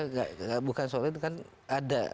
enggak bukan soal itu kan ada